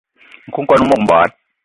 Nku kwan o mog mbogui.